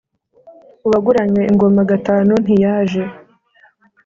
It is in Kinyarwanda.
uwaguranywe ingoma gatanu ntiyaje